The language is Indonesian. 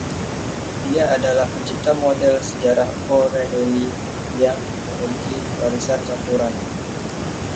Dia adalah pencipta model sejarah O'Rahilly yang memiliki warisan campuran.